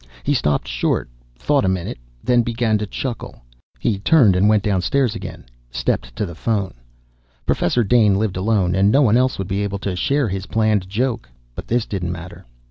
He stopped short, thought a minute, then began to chuckle. He turned and went downstairs again, stepped to the phone. Professor Dane lived alone and no one else would be able to share his planned joke but this didn't matter.